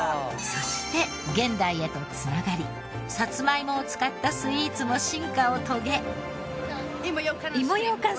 そして現代へと繋がりサツマイモを使ったスイーツも進化を遂げ。